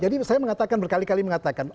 jadi saya mengatakan berkali kali mengatakan